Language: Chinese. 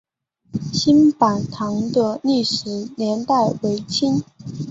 新坂堂的历史年代为清。